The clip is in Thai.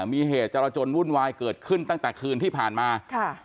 มีเหตุจรจนวุ่นวายเกิดขึ้นตั้งแต่คืนที่ผ่านมาค่ะ